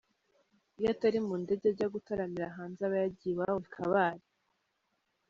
Iyo atari mu ndege ajya gutaramira hanze aba yagiye iwabo i Kabale.